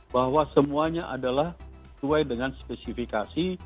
bahwa semuanya adalah sesuai dengan spesifikasi